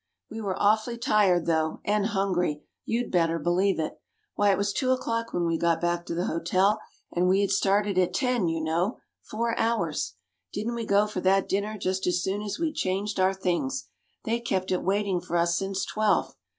"We were awfully tired, though, and hungry you'd better believe it! Why, it was two o'clock when we got back to the hotel, and we had started at ten, you know four hours. Didn't we go for that dinner just as soon as we'd changed our things! they'd kept it waiting for us since twelve.